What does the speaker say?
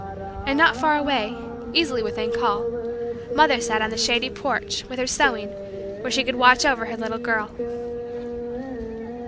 And not far away easily within call mother sat on the shady porch, with her sewing, where she could watch over her little girl.